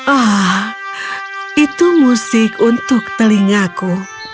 oh itu musik untuk telingaku